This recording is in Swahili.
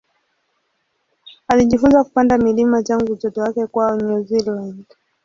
Alijifunza kupanda milima tangu utoto wake kwao New Zealand.